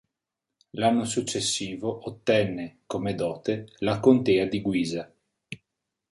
L'anno successivo ottenne, come dote, la contea di Guisa.